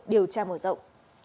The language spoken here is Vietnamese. điều tra mở rộng